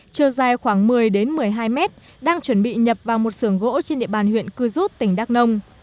chiều dài khoảng một mươi một mươi hai mét đang chuẩn bị nhập vào một sưởng gỗ trên địa bàn huyện cư rút tỉnh đắk nông